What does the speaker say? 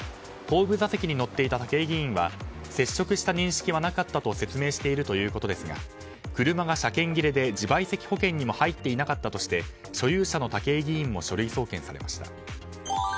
後部座席に乗っていた武井議員は接触した認識はなかったと説明しているということですが車が車検切れで自賠責保険にも入っていなかったとして所有者の武井議員も書類送検されました。